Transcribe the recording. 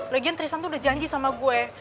lagian tristan tuh udah janji sama gue